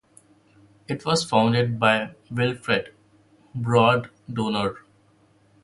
It was founded by Wilfred "Brod" Doner.